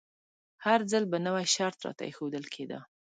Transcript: هر ځل به نوی شرط راته ایښودل کیده.